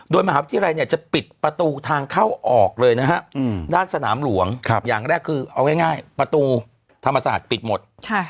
โดยมหาวิทยาลัยเนี่ยจะปิดประตูทางเข้าออกเลยนะฮะด้านสนามหลวงอย่างแรกคือเอาง่ายประตูธรรมศาสตร์ปิดหมด